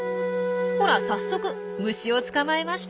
ほら早速虫を捕まえましたよ。